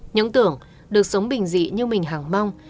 những tưởng được sống bình dị như mình hàng mong